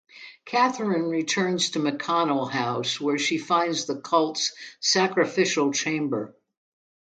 Katherine returns to the McConnell house, where she finds the cult's sacrificial chamber.